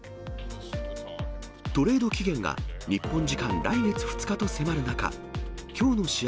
トレード期限が日本時間、来月２日と迫る中、きょうの試合